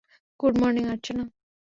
Good morning Archana.